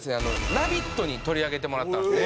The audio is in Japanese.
『ラヴィット！』に取り上げてもらったんですね。